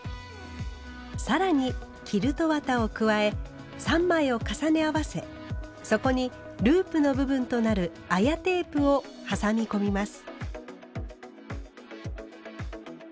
更にキルト綿を加え３枚を重ね合わせそこにループの部分となる綾テープを挟み込みます。